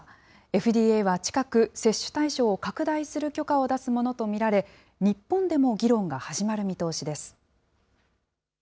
ＦＤＡは近く、接種対象を拡大する許可を出すものと見られ、日本でも議論が始まる見通しです。